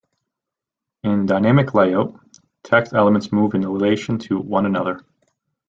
In dynamic layout, text elements move in relation to one another.